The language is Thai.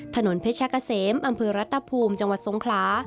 ถนนเพชรกะเสมอำเภอรัตภูมิจังหวัดสงขลา